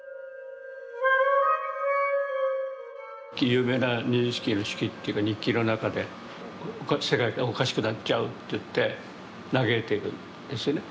有名なニジンスキーの手記というか日記の中で世界がおかしくなっちゃうって言って嘆いているんですね。